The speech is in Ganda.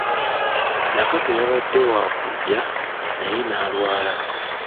Nakato yabadde wakujja naye nalwala.